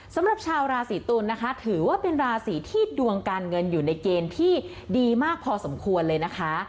สำหรับชาวราศีตุลนะคะถือว่าเป็นราศีที่ดวงการเงินอยู่ในเกณฑ์ที่ดีมากพอสมควรเลยนะคะ